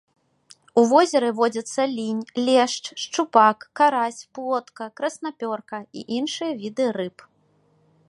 У возеры водзяцца лінь, лешч, шчупак, карась, плотка, краснапёрка і іншыя віды рыб.